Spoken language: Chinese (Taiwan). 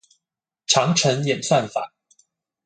長城演算法